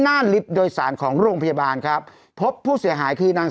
ลิฟต์โดยสารของโรงพยาบาลครับพบผู้เสียหายคือนาง